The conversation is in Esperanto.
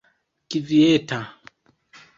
kvieta